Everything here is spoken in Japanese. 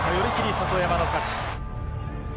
里山の勝ち。